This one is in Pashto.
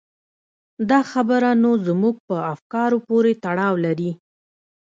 دا خبره نو زموږ په افکارو پورې تړاو لري.